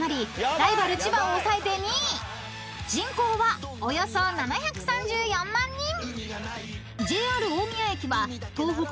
［人口はおよそ７３４万人］